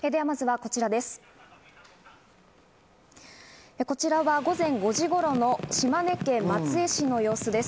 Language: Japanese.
こちらは午前５時頃の島根県松江市の様子です。